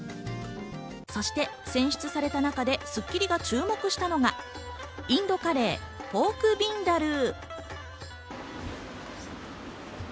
そして選出された中で『スッキリ』が注目したのがインドカレー、ポークビンダルー。